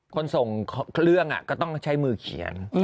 คนส่งเครื่องก็ต้องใช้มือเขียน